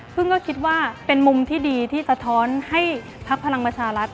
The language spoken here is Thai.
ก็คิดว่าเป็นมุมที่ดีที่สะท้อนให้พักพลังประชารัฐ